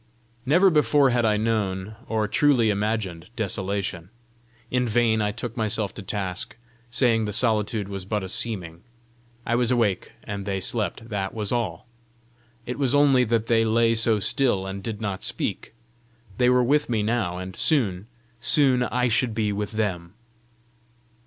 Never before had I known, or truly imagined desolation! In vain I took myself to task, saying the solitude was but a seeming: I was awake, and they slept that was all! it was only that they lay so still and did not speak! they were with me now, and soon, soon I should be with them!